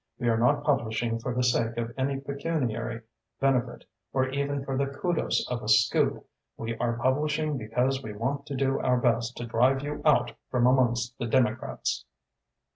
"We are not publishing for the sake of any pecuniary benefit or even for the kudos of a scoop. We are publishing because we want to do our best to drive you out from amongst the Democrats."